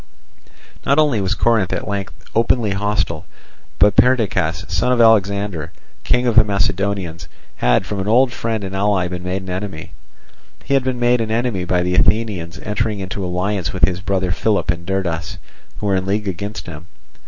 Not only was Corinth at length openly hostile, but Perdiccas, son of Alexander, king of the Macedonians, had from an old friend and ally been made an enemy. He had been made an enemy by the Athenians entering into alliance with his brother Philip and Derdas, who were in league against him.